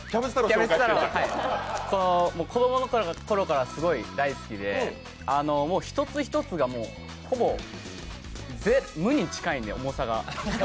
子供の頃からすごい大好きで一つ一つがほぼ無に近いので、重さが。